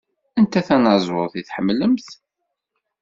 Anta tanaẓuṛt i tḥemmlemt?